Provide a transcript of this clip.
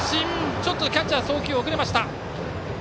ちょっとキャッチャーの送球が遅れた。